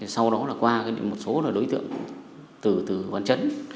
sau đó là qua một số đối tượng từ văn chấn